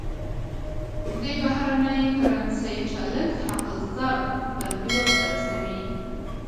د بهرنۍ کرنسۍ چلښت حق الضرب بل هېواد ته رسوي.